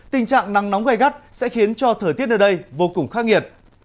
tình trạng nắng nóng gai gắt sẽ khiến cho thời tiết nơi đây vô cùng khắc nghiệt